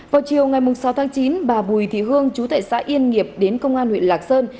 vào chiều ngày sáu tháng chín bà bùi thị hương chú tại xã yên nghiệp đến công an huyện lạc sơn